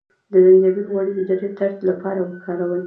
د زنجبیل غوړي د درد لپاره وکاروئ